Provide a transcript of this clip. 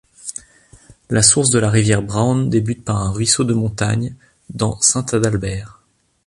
La source de la rivière Brown débute par un ruisseau de montagne dans Saint-Adalbert.